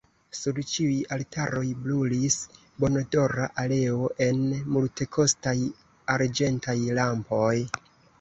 Sur ĉiuj altaroj brulis bonodora oleo en multekostaj arĝentaj lampoj.